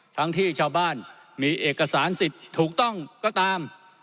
ทั้งที่ชาวบ้านมีเอกสารสิทธิ์ถูกต้องก็ตาม